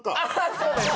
そうです！